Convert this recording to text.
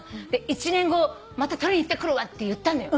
「１年後また撮りに行ってくるわ」って言ったのよ。